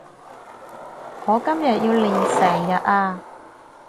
我今日要練成日呀